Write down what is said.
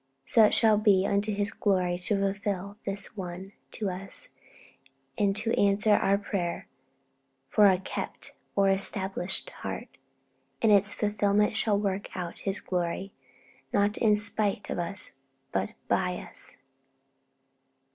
So it shall be unto His glory to fulfil this one to us, and to answer our prayer for a 'kept' or 'established' heart. And its fulfilment shall work out His glory, not in spite of us, but 'by us.'